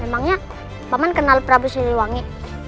memangnya pak man kenal prabu siliwangi